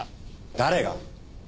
誰が？